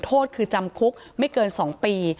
โทษคือจำคุกไม่เกิน๒ปี